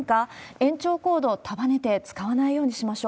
延長コード、束ねて使わないようにしましょう。